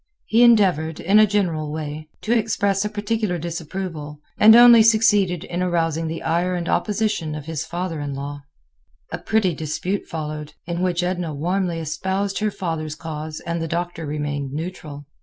He endeavored, in a general way, to express a particular disapproval, and only succeeded in arousing the ire and opposition of his father in law. A pretty dispute followed, in which Edna warmly espoused her father's cause and the Doctor remained neutral.